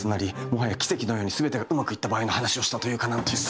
もはや奇跡のように全てがうまくいった場合の話をしたというか何というか。